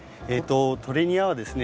トレニアはですね